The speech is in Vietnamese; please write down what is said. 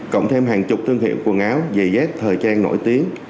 cộng thêm hàng chục thương hiệu quần áo giày dép thời trang nổi tiếng